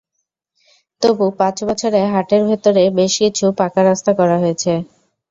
তবু পাঁচ বছরে হাটের ভেতরে বেশ কিছু পাকা রাস্তা করা হয়েছে।